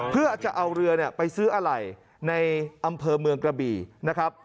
เพื่อจะเอาเรือไปซื้ออะไรในอำเภอเมืองกระบี่นะครับ